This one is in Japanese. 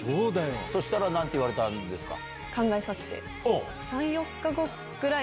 そしたら何て言われたんですか？